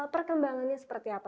perkembangannya seperti apa nih pak